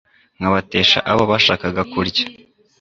nkabatesha abo bashakaga kurya